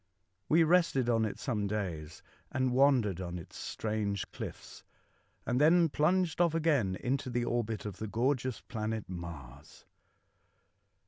We rested on it some days and wandered on its strange cliffs, and then plunged off again into the orbit of the gorgeous planet Mars.